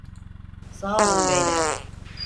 Sağolun beyler.